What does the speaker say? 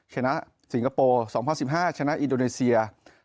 ชนะสิงคโปร์๒๐๑๕ชนะอินโดนีเซีย